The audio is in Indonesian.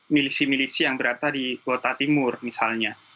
milisi milisi yang berada di kota timur misalnya